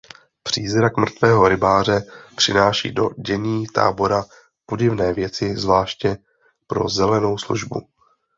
Přízrak mrtvého rybáře přináší do dění tábora podivné věci zvláště pro Zelenou službu.